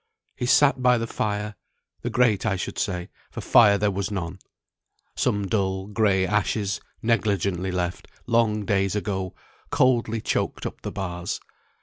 He sat by the fire; the grate I should say, for fire there was none. Some dull, gray ashes, negligently left, long days ago, coldly choked up the bars.